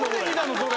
それ。